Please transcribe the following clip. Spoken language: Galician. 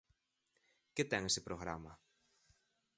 ¿Que ten ese programa?